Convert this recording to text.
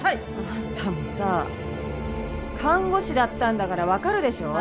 あんたもさ看護師だったんだからわかるでしょう？